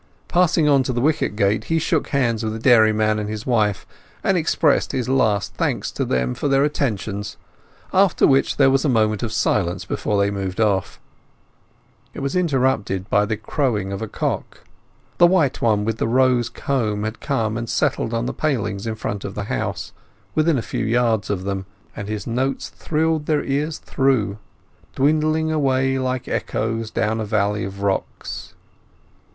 Passing on to the wicket gate he shook hands with the dairyman and his wife, and expressed his last thanks to them for their attentions; after which there was a moment of silence before they had moved off. It was interrupted by the crowing of a cock. The white one with the rose comb had come and settled on the palings in front of the house, within a few yards of them, and his notes thrilled their ears through, dwindling away like echoes down a valley of rocks.